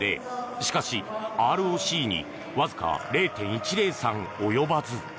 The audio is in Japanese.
しかし、ＲＯＣにわずか０．１０３及ばず。